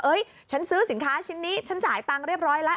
ฉันซื้อสินค้าชิ้นนี้ฉันจ่ายตังค์เรียบร้อยแล้ว